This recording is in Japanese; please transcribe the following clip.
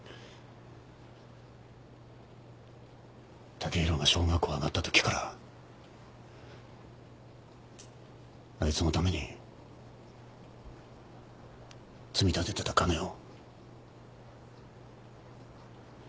剛洋が小学校上がったときからあいつのために積み立ててた金を。